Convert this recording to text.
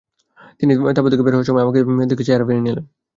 তিনি তাঁবু থেকে বের হওয়ার সময় আমাকে দেখে চেহারা ফিরিয়ে নিলেন।